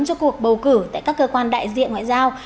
cho cuộc bầu cử tại các cơ quan đại diện ngoại giao